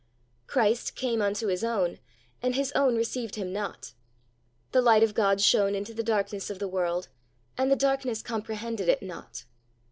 Christ "came unto His own, and His own received Him not." The light of God shone into the darkness of the world, and "the darkness comprehended it not."